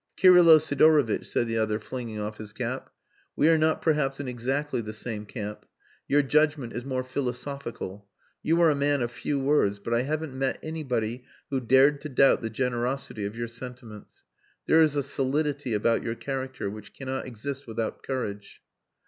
"Kirylo Sidorovitch," said the other, flinging off his cap, "we are not perhaps in exactly the same camp. Your judgment is more philosophical. You are a man of few words, but I haven't met anybody who dared to doubt the generosity of your sentiments. There is a solidity about your character which cannot exist without courage."